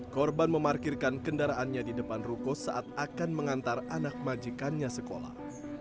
korban memarkirkan kendaraannya di depan ruko saat akan mengantar anak majikannya sekolah